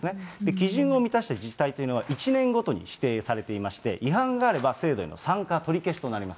基準を満たした自治体というのは、１年ごとに指定されていまして、違反があれば制度への参加取り消しとなります。